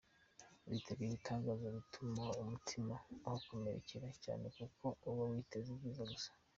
Kwitega ibitangaza bituma umutima uhakomerekera cyane kuko uba witeze ibyiza gusa .